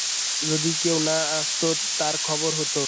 যদি কেউ না আসত তার খবর হত।